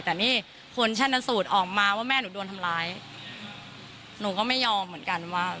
แต่นี่ผลชนสูตรออกมาว่าแม่หนูโดนทำร้ายหนูก็ไม่ยอมเหมือนกันว่า